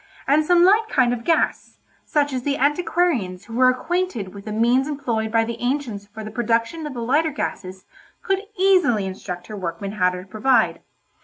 and some light kind of gas, such as the antiquarians who were acquainted with the means employed by the ancients for the production of the lighter gases could easily instruct her workmen how to provide.